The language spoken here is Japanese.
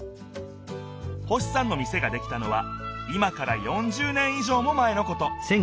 星さんの店ができたのは今から４０年い上も前のこと。